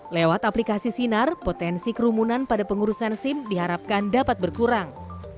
lewat aplikasi sinar potensi kerumunan pada pengurusan sim diharapkan dapat berkurang